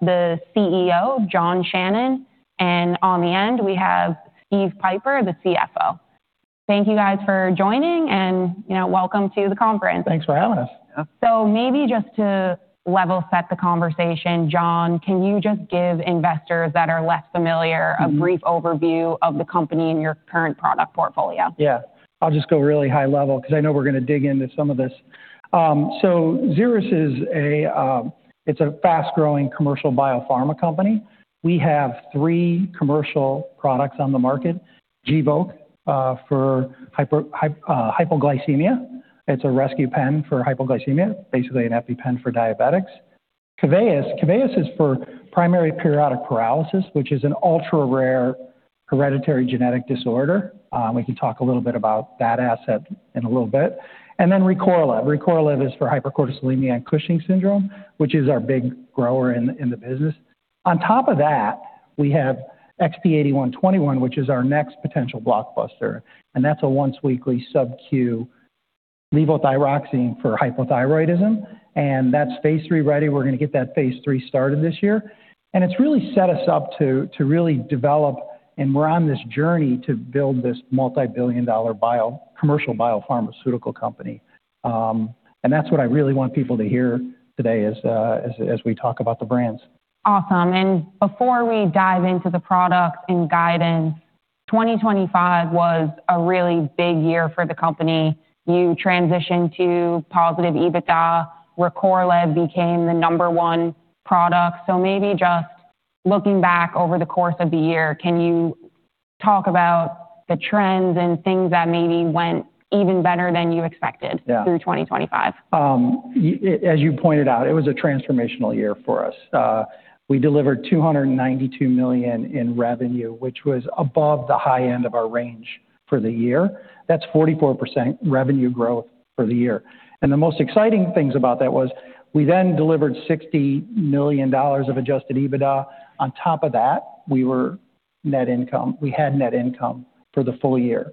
The CEO, John Shannon, and on the line, we have Steve Pieper, the CFO. Thank you guys for joining and, you know, welcome to the conference. Thanks for having us. Maybe just to level set the conversation, John, can you just give investors that are less familiar- Mm-hmm. A brief overview of the company and your current product portfolio? Yeah. I'll just go really high level because I know we're going to dig into some of this. Xeris is a fast-growing commercial biopharma company. We have three commercial products on the market. Gvoke for hypoglycemia. It's a rescue pen for hypoglycemia, basically an EpiPen for diabetics. KEVEYIS. KEVEYIS is for primary periodic paralysis, which is an ultra-rare hereditary genetic disorder. We can talk a little bit about that asset in a little bit. RECORLEV. RECORLEV is for hypercortisolemia and Cushing's syndrome, which is our big grower in the business. On top of that, we have XP-8121, which is our next potential blockbuster, and that's a once-weekly SubQ levothyroxine for hypothyroidism. That's phase III-ready. We're gonna get that phase III started this year. It's really set us up to really develop, and we're on this journey to build this multi-billion-dollar biopharmaceutical company. That's what I really want people to hear today as we talk about the brands. Awesome. Before we dive into the products and guidance, 2025 was a really big year for the company. You transitioned to positive EBITDA. RECORLEV became the number one product. Maybe just looking back over the course of the year, can you talk about the trends and things that maybe went even better than you expected? Yeah. through 2025? As you pointed out, it was a transformational year for us. We delivered $292 million in revenue, which was above the high end of our range for the year. That's 44% revenue growth for the year. The most exciting things about that was we then delivered $60 million of adjusted EBITDA. On top of that, we had net income for the full year,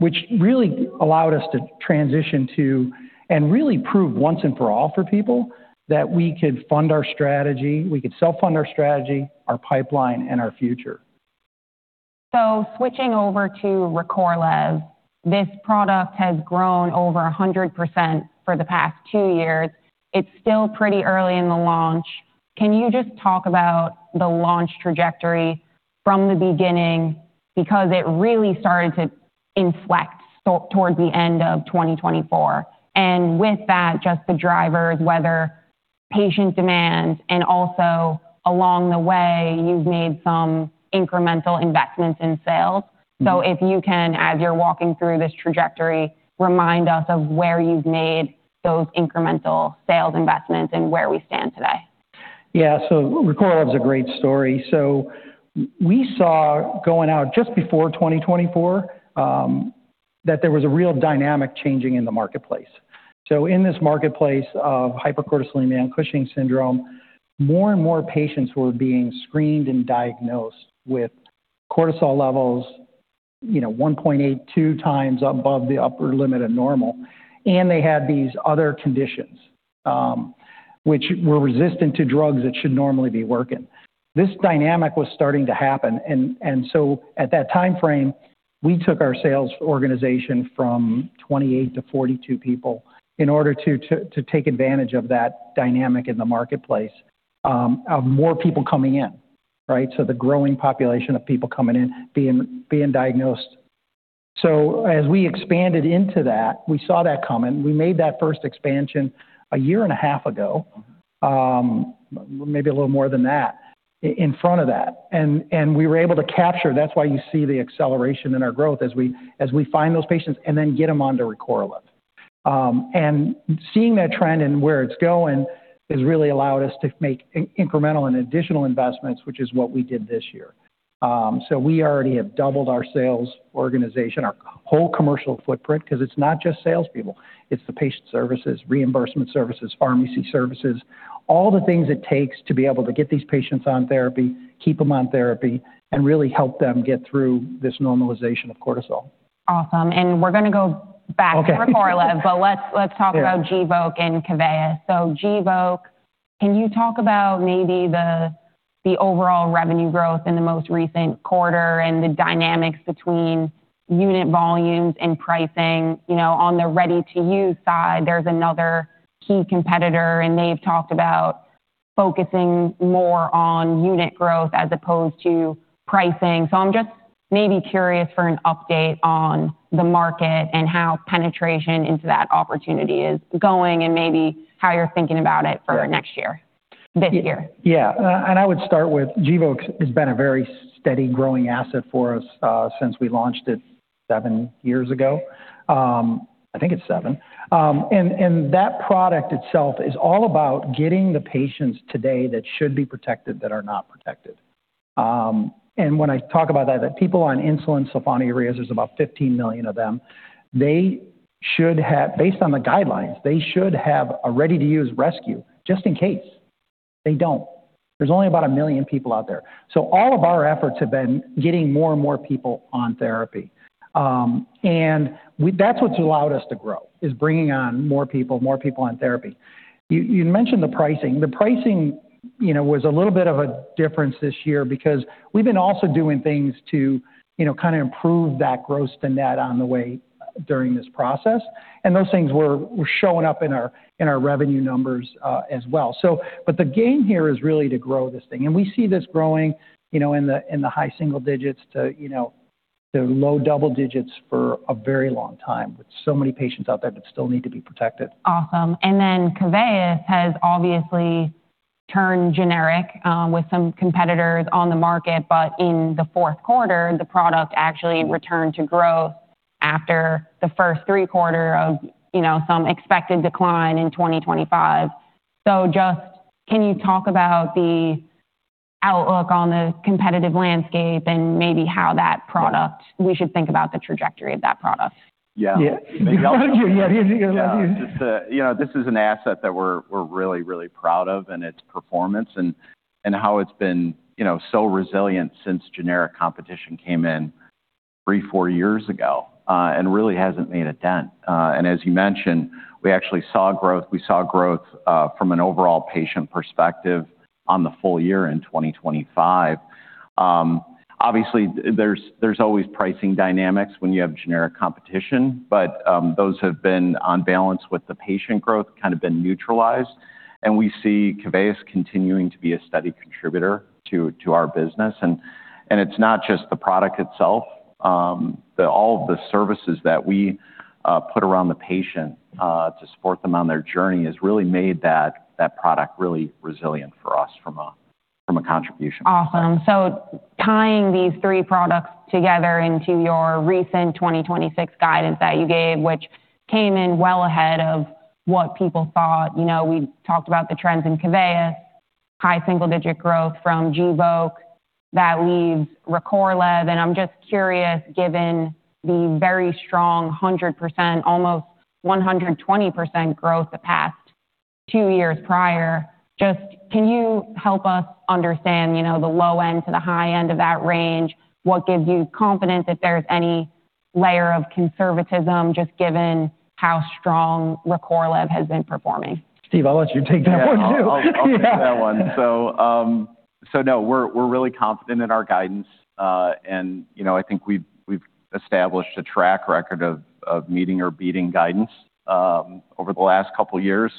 which really allowed us to transition to and really prove once and for all for people that we could fund our strategy, we could self-fund our strategy, our pipeline, and our future. Switching over to RECORLEV, this product has grown over 100% for the past two years. It's still pretty early in the launch. Can you just talk about the launch trajectory from the beginning? Because it really started to inflect towards the end of 2024. With that, just the drivers, whether patient demand and also along the way, you've made some incremental investments in sales. Mm-hmm. If you can, as you're walking through this trajectory, remind us of where you've made those incremental sales investments and where we stand today. Yeah. RECORLEV's a great story. We saw going out just before 2024, that there was a real dynamic changing in the marketplace. In this marketplace of hypercortisolemia and Cushing's syndrome, more and more patients were being screened and diagnosed with cortisol levels, you know, 1.82x above the upper limit of normal. They had these other conditions, which were resistant to drugs that should normally be working. This dynamic was starting to happen and so at that timeframe, we took our sales organization from 28-42 people in order to take advantage of that dynamic in the marketplace, of more people coming in, right? The growing population of people coming in, being diagnosed. As we expanded into that, we saw that coming. We made that first expansion a year and a half ago, maybe a little more than that in front of that. We were able to capture. That's why you see the acceleration in our growth as we find those patients and then get them onto RECORLEV. Seeing that trend and where it's going has really allowed us to make incremental and additional investments, which is what we did this year. We already have doubled our sales organization, our whole commercial footprint, 'cause it's not just salespeople, it's the patient services, reimbursement services, pharmacy services, all the things it takes to be able to get these patients on therapy, keep them on therapy, and really help them get through this normalization of cortisol. Awesome. We're gonna go back. Okay. to RECORLEV, but let's talk about- Yeah. Gvoke and KEVEYIS. Gvoke, can you talk about maybe the overall revenue growth in the most recent quarter and the dynamics between unit volumes and pricing? You know, on the ready-to-use side, there's another key competitor, and they've talked about focusing more on unit growth as opposed to pricing. I'm just maybe curious for an update on the market and how penetration into that opportunity is going and maybe how you're thinking about it for next year. This year. I would start with Gvoke has been a very steady growing asset for us, since we launched it seven years ago. I think it's seven. And that product itself is all about getting the patients today that should be protected that are not protected. And when I talk about that, people on insulin, sulfonylureas, there's about 15 million of them, they should have. Based on the guidelines, they should have a ready-to-use rescue just in case. They don't. There's only about 1 million people out there. So all of our efforts have been getting more and more people on therapy. That's what's allowed us to grow, is bringing on more people on therapy. You mentioned the pricing. The pricing, you know, was a little bit of a difference this year because we've been also doing things to, you know, kind of improve that Gross to Net along the way during this process. Those things were showing up in our revenue numbers, as well. The game here is really to grow this thing. We see this growing, you know, in the high single digits percentage to low double digits percentage for a very long time with so many patients out there that still need to be protected. Awesome. KEVEYIS has obviously turned generic, with some competitors on the market. In the fourth quarter, the product actually returned to growth after the first three quarters of some expected decline in 2025. Just can you talk about the outlook on the competitive landscape and maybe how we should think about the trajectory of that product? Yeah. Yeah. Here we go. Yeah. Just, you know, this is an asset that we're really proud of in its performance and how it's been, you know, so resilient since generic competition came in three, four years ago, and really hasn't made a dent. And as you mentioned, we actually saw growth from an overall patient perspective on the full year in 2025. Obviously there's always pricing dynamics when you have generic competition, but those have been on balance with the patient growth, kind of been neutralized. We see KEVEYIS continuing to be a steady contributor to our business. It's not just the product itself, all of the services that we put around the patient to support them on their journey has really made that product really resilient for us from a contribution perspective. Awesome. Tying these three products together into your recent 2026 guidance that you gave, which came in well ahead of what people thought. You know, we talked about the trends in KEVEYIS, high single-digit growth from Gvoke. That leaves RECORLEV. I'm just curious, given the very strong 100%, almost 120% growth the past two years prior, just can you help us understand, you know, the low end to the high end of that range? What gives you confidence if there's any layer of conservatism, just given how strong RECORLEV has been performing? Steve, I'll let you take that one too. Yeah. I'll take that one. No, we're really confident in our guidance. You know, I think we've established a track record of meeting or beating guidance over the last couple of years.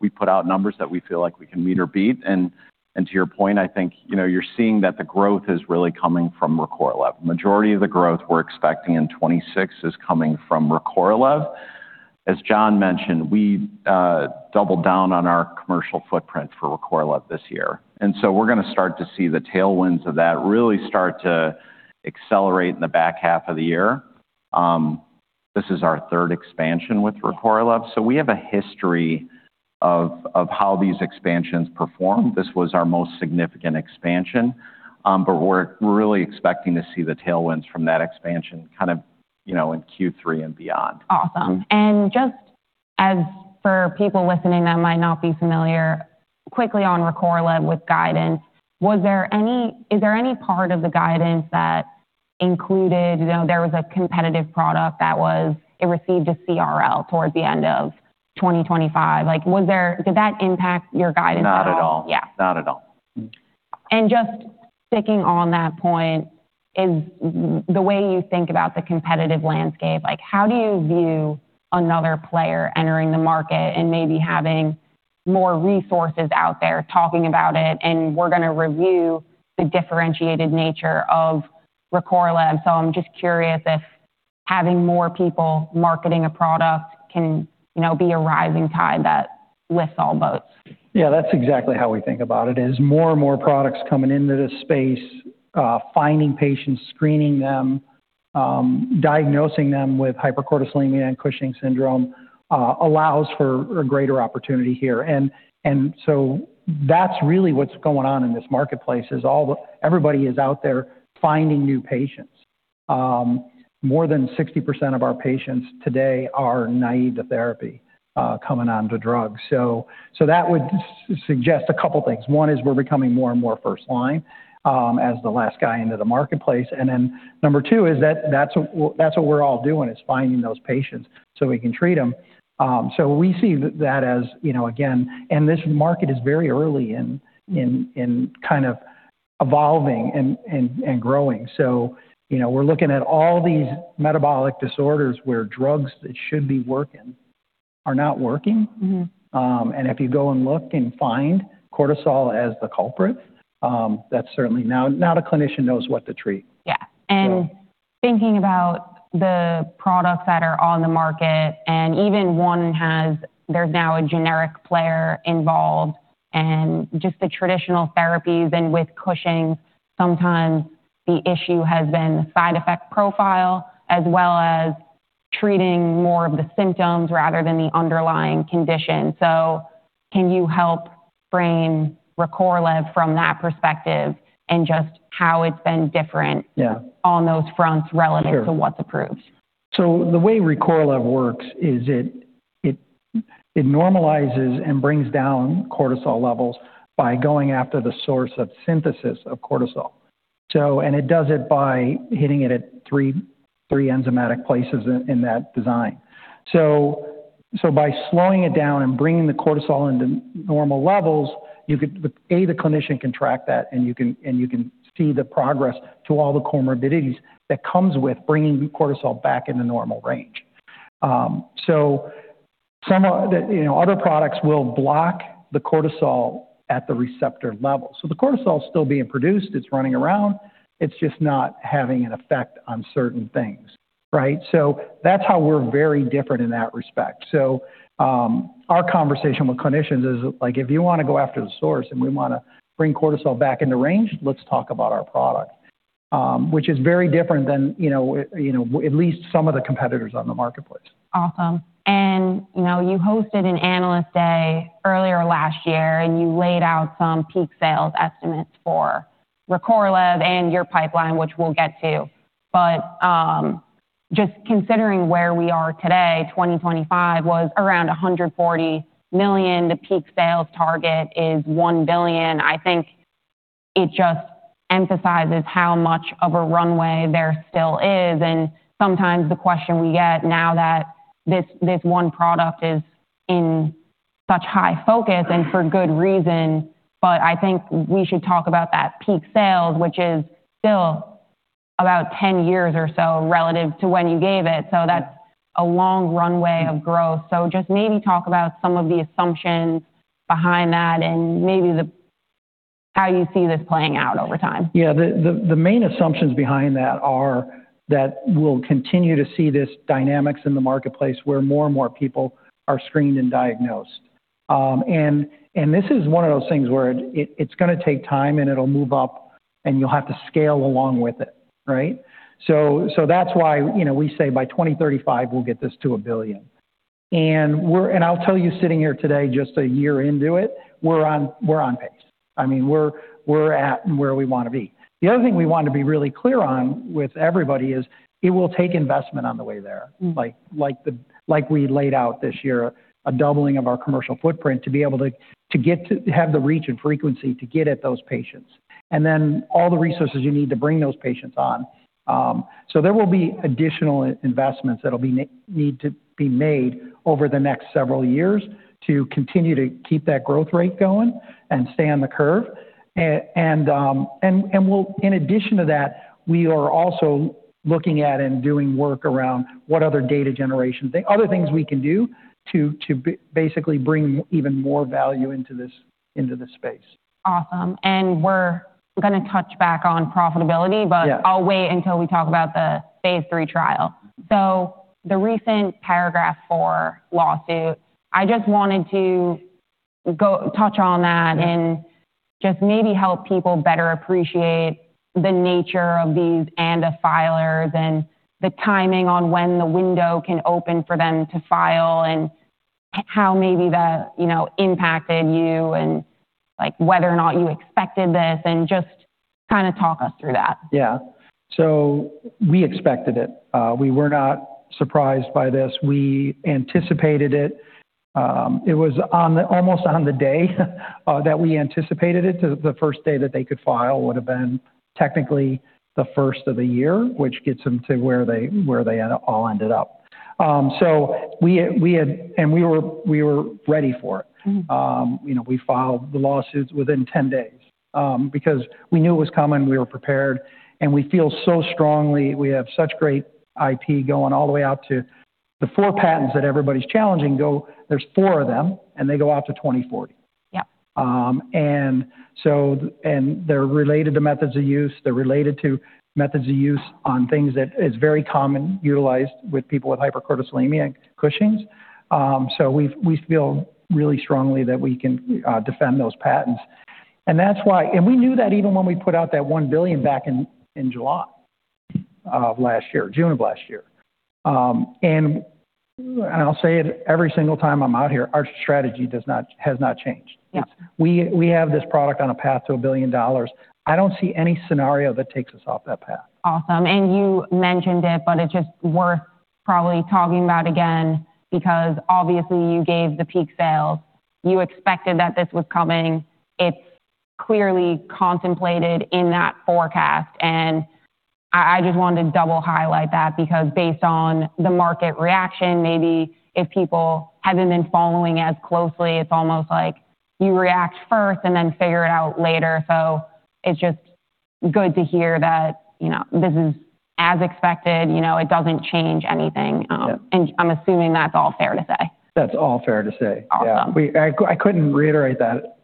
We put out numbers that we feel like we can meet or beat. To your point, I think, you know, you're seeing that the growth is really coming from RECORLEV. Majority of the growth we're expecting in 2026 is coming from RECORLEV. As John mentioned, we doubled down on our commercial footprint for RECORLEV this year, and so we're gonna start to see the tailwinds of that really start to accelerate in the back half of the year. This is our third expansion with RECORLEV, so we have a history of how these expansions perform. This was our most significant expansion. We're really expecting to see the tailwinds from that expansion kind of, you know, in Q3 and beyond. Awesome. Just as for people listening that might not be familiar, quickly on RECORLEV with guidance, is there any part of the guidance that included, you know, there was a competitive product that it received a CRL towards the end of 2025? Like, did that impact your guidance at all? Not at all. Yeah. Not at all. Just sticking on that point is the way you think about the competitive landscape. Like, how do you view another player entering the market and maybe having more resources out there talking about it? We're gonna review the differentiated nature of RECORLEV. I'm just curious if having more people marketing a product can, you know, be a rising tide that lifts all boats. Yeah, that's exactly how we think about it, is more and more products coming into this space, finding patients, screening them, diagnosing them with hypercortisolemia and Cushing's syndrome, allows for a greater opportunity here. That's really what's going on in this marketplace, is everybody is out there finding new patients. More than 60% of our patients today are naive to therapy, coming onto drugs. That would suggest a couple things. One is we're becoming more and more first line, as the last guy into the marketplace. Number two is that that's what we're all doing is finding those patients so we can treat them. We see that as, you know, this market is very early in kind of evolving and growing. You know, we're looking at all these metabolic disorders where drugs that should be working are not working. Mm-hmm. If you go and look and find cortisol as the culprit, that's certainly how the clinician knows what to treat. Yeah. So- Thinking about the products that are on the market and even one has, there's now a generic player involved and just the traditional therapies and with Cushing's, sometimes the issue has been side effect profile as well as treating more of the symptoms rather than the underlying condition. Can you help frame RECORLEV from that perspective and just how it's been different? Yeah. on those fronts relative Sure. to what's approved? The way RECORLEV works is it normalizes and brings down cortisol levels by going after the source of synthesis of cortisol. It does it by hitting it at three enzymatic places in that design. By slowing it down and bringing the cortisol into normal levels, the clinician can track that, and you can see the progress to all the comorbidities that comes with bringing cortisol back in the normal range. Some of the, you know, other products will block the cortisol at the receptor level. The cortisol is still being produced, it's running around, it's just not having an effect on certain things, right? That's how we're very different in that respect. Our conversation with clinicians is like, if you want to go after the source and we want to bring cortisol back into range, let's talk about our product. Which is very different than, you know, at least some of the competitors on the marketplace. Awesome. You know, you hosted an analyst day earlier last year, and you laid out some peak sales estimates for RECORLEV and your pipeline, which we'll get to. Just considering where we are today, 2025 was around $140 million. The peak sales target is $1 billion. I think it just emphasizes how much of a runway there still is. Sometimes the question we get now that this one product is in such high focus and for good reason, but I think we should talk about that peak sales, which is still about 10 years or so relative to when you gave it. That's a long runway of growth. Just maybe talk about some of the assumptions behind that and maybe how you see this playing out over time. Yeah. The main assumptions behind that are that we'll continue to see these dynamics in the marketplace where more and more people are screened and diagnosed. This is one of those things where it's going to take time, and it'll move up, and you'll have to scale along with it, right? That's why, you know, we say by 2035, we'll get this to $1 billion. I'll tell you, sitting here today, just a year into it, we're on pace. I mean, we're at where we want to be. The other thing we want to be really clear on with everybody is it will take investment on the way there. Mm. Like we laid out this year, a doubling of our commercial footprint to be able to get to have the reach and frequency to get at those patients. Then all the resources you need to bring those patients on. There will be additional investments that'll need to be made over the next several years to continue to keep that growth rate going and stay on the curve. In addition to that, we are also looking at and doing work around what other data generation, other things we can do to basically bring even more value into this space. Awesome. We're going to touch back on profitability. Yeah. I'll wait until we talk about the phase III trial. The recent Paragraph IV lawsuit, I just wanted to go touch on that. Yeah. Just maybe help people better appreciate the nature of these ANDA filers and the timing on when the window can open for them to file and how maybe that, you know, impacted you and, like, whether or not you expected this and just kind of talk us through that? Yeah. We expected it. We were not surprised by this. We anticipated it. It was almost on the day that we anticipated it. The first day that they could file would have been technically the first of the year, which gets them to where they all ended up. We had and we were ready for it. Mm. You know, we filed the lawsuits within 10 days, because we knew it was coming. We were prepared, and we feel so strongly. We have such great IP going all the way out to the four patents that everybody's challenging. There's four of them, and they go out to 2040. Yep. They're related to methods of use on things that is very common, utilized with people with hypercortisolemia Cushing's. We feel really strongly that we can defend those patents. We knew that even when we put out that $1 billion back in July of last year, June of last year. I'll say it every single time I'm out here, our strategy has not changed. Yeah. We have this product on a path to $1 billion. I don't see any scenario that takes us off that path. Awesome. You mentioned it, but it's just worth probably talking about again because obviously you gave the peak sales. You expected that this was coming. It's clearly contemplated in that forecast. I just wanted to double highlight that because based on the market reaction, maybe if people haven't been following as closely, it's almost like you react first and then figure it out later. It's just good to hear that, you know, this is as expected, you know, it doesn't change anything. Yeah. I'm assuming that's all fair to say. That's all fair to say. Awesome. Yeah. I couldn't reiterate that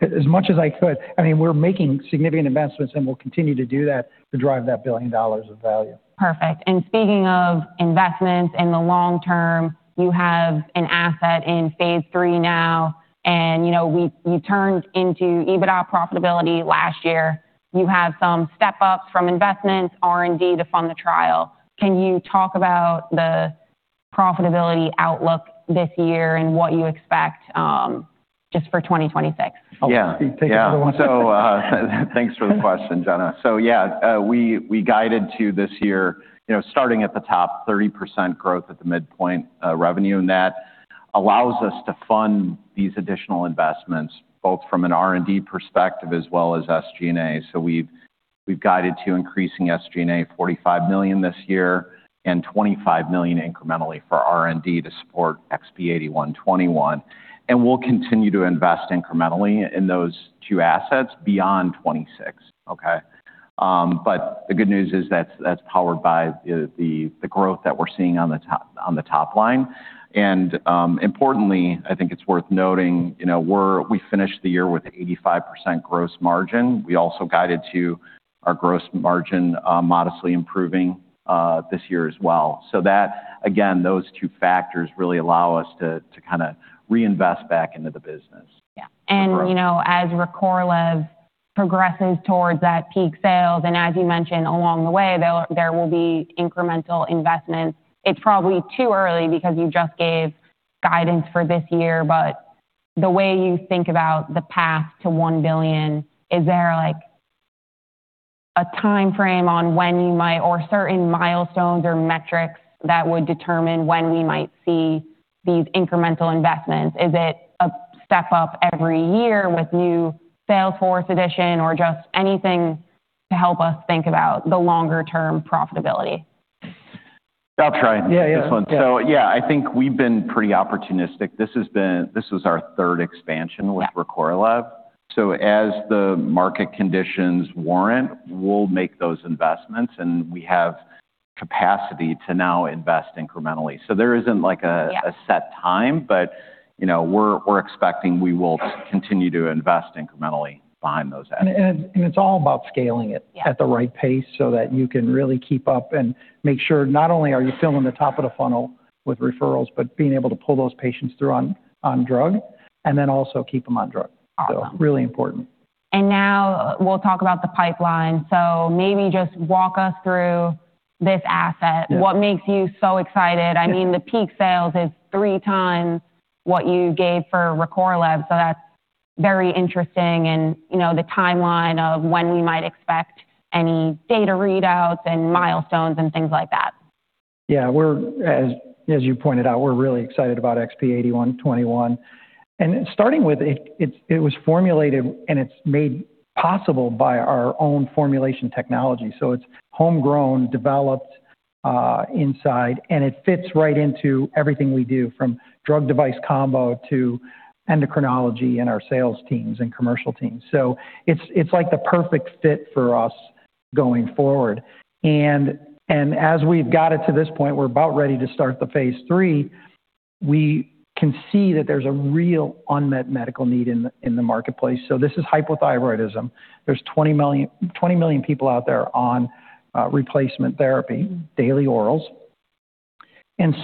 as much as I could. I mean, we're making significant investments, and we'll continue to do that to drive that $1 billion of value. Perfect. Speaking of investments in the long term, you have an asset in phase III now. You know, you turned into EBITDA profitability last year. You have some step-ups from investments, R&D to fund the trial. Can you talk about the profitability outlook this year and what you expect just for 2026? Thanks for the question, Jenna. Yeah, we guided to this year, you know, starting at the top, 30% growth at the midpoint, revenue in that. Allows us to fund these additional investments, both from an R&D perspective as well as SG&A. We've guided to increasing SG&A $45 million this year and $25 million incrementally for R&D to support XP-8121. We'll continue to invest incrementally in those two assets beyond 2026. The good news is that's powered by the growth that we're seeing on the top line. Importantly, I think it's worth noting, you know, we finished the year with 85% Gross Margin. We also guided to our Gross Margin modestly improving this year as well. That, again, those two factors really allow us to kinda reinvest back into the business. Yeah. You know, as RECORLEV progresses towards that peak sales, and as you mentioned along the way, there will be incremental investments. It's probably too early because you just gave guidance for this year, but the way you think about the path to $1 billion, is there like a timeframe on when you might or certain milestones or metrics that would determine when we might see these incremental investments? Is it a step up every year with new sales force addition or just anything to help us think about the longer term profitability? I'll try. Yeah. Yeah this one. Yeah, I think we've been pretty opportunistic. This is our third expansion. Yeah with RECORLEV. As the market conditions warrant, we'll make those investments, and we have capacity to now invest incrementally. Yeah a set time, but, you know, we're expecting we will continue to invest incrementally behind those assets. It's all about scaling it. Yeah at the right pace so that you can really keep up and make sure not only are you filling the top of the funnel with referrals, but being able to pull those patients through on drug and then also keep them on drug. Awesome. Really important. Now we'll talk about the pipeline. Maybe just walk us through this asset. Yeah. What makes you so excited? Yeah. I mean, the peak sales is three times what you gave for RECORLEV, so that's very interesting. You know, the timeline of when we might expect any data readouts and milestones and things like that. Yeah. We're, as you pointed out, we're really excited about XP-8121. Starting with it was formulated, and it's made possible by our own formulation technology. It's homegrown, developed inside, and it fits right into everything we do, from drug device combo to endocrinology and our sales teams and commercial teams. It's like the perfect fit for us going forward. As we've got it to this point, we're about ready to start the phase III. We can see that there's a real unmet medical need in the marketplace. This is hypothyroidism. There's 20 million people out there on replacement therapy, daily orals.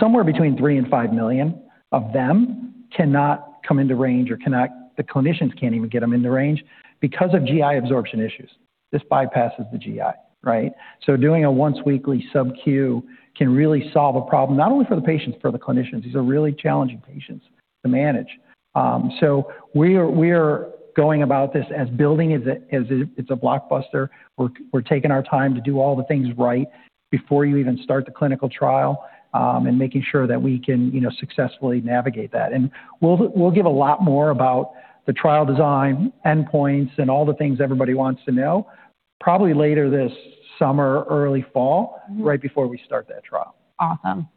Somewhere between three-five million of them cannot come into range or the clinicians can't even get them into range because of GI absorption issues. This bypasses the GI, right? Doing a once weekly SubQ can really solve a problem not only for the patients, for the clinicians. These are really challenging patients to manage. We are going about this as it's a blockbuster. We're taking our time to do all the things right before you even start the clinical trial, and making sure that we can, you know, successfully navigate that. We'll give a lot more about the trial design, endpoints, and all the things everybody wants to know probably later this summer or early fall. Mm-hmm right before we start that trial. Awesome.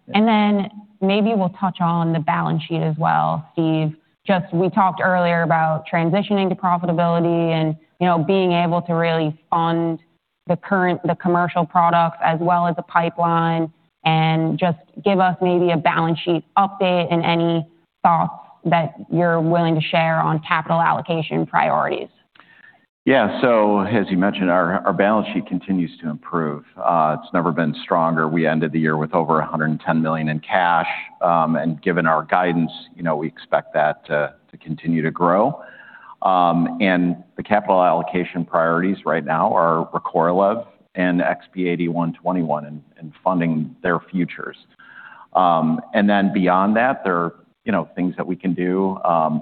Maybe we'll touch on the balance sheet as well, Steve. Just we talked earlier about transitioning to profitability and, you know, being able to really fund the commercial products as well as the pipeline, and just give us maybe a balance sheet update and any thoughts that you're willing to share on capital allocation priorities. Yeah. As you mentioned, our balance sheet continues to improve. It's never been stronger. We ended the year with over $110 million in cash. Given our guidance, you know, we expect that to continue to grow. The capital allocation priorities right now are RECORLEV and XP-8121 and funding their futures. Beyond that, there are, you know, things that we can do,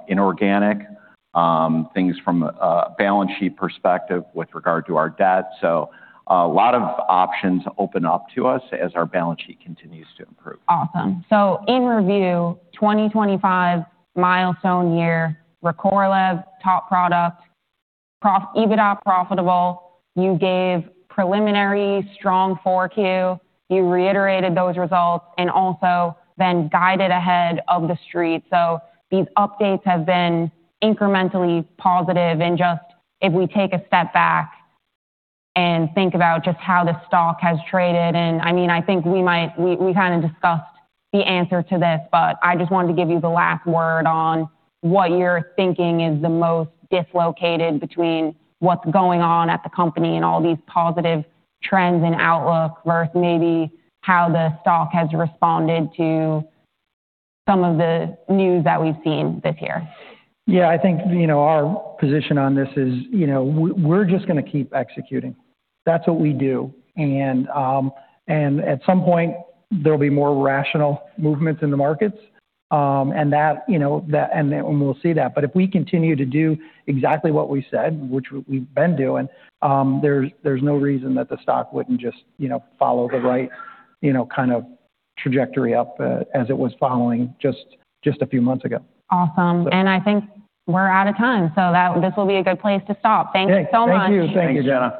inorganic things from a balance sheet perspective with regard to our debt. A lot of options open up to us as our balance sheet continues to improve. Awesome. In review, 2025 milestone year, RECORLEV top product, EBITDA profitable. You gave preliminary strong 4Q. You reiterated those results and also then guided ahead of The Street. These updates have been incrementally positive. Just if we take a step back and think about just how the stock has traded, and I mean, I think we kinda discussed the answer to this, but I just wanted to give you the last word on what you're thinking is the most dislocated between what's going on at the company and all these positive trends and outlook versus maybe how the stock has responded to some of the news that we've seen this year. Yeah. I think, you know, our position on this is, you know, we're just gonna keep executing. That's what we do. At some point, there'll be more rational movements in the markets, and that, you know, and then when we'll see that. If we continue to do exactly what we said, which we've been doing, there's no reason that the stock wouldn't just, you know, follow the right, you know, kind of trajectory up, as it was following just a few months ago. Awesome. I think we're out of time, so this will be a good place to stop. Thank you so much. Thank you. Thank you. Thank you, John.